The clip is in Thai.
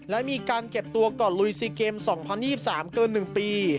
และมีการเก็บตัวก่อนลุยซีเกมสองพันยี่สิบสามเกินหนึ่งปี